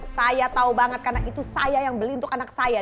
saya tahu banget karena itu saya yang beli untuk anak saya